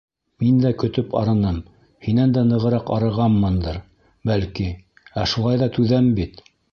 Мин дә көтөп арыным, һинән дә нығыраҡ арығанмындыр, бәлки, ә шулай ҙа түҙәм бит.